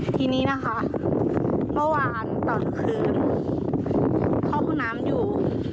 ทีนี้นะคะเมื่อวานตอนคืนเข้าห้องน้ำอยู่